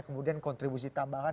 kemudian kontribusi tambahan